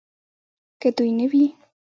که دوی نه وي